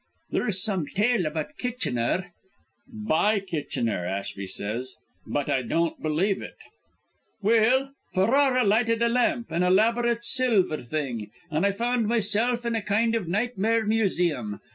"There's some tale about Kitchener " "By Kitchener, Ashby says; but I don't believe it." "Well Ferrara lighted a lamp, an elaborate silver thing, and I found myself in a kind of nightmare museum.